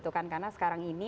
karena sekarang ini